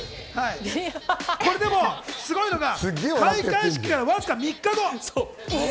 これ、でもすごいのが開会式からわずか３日後。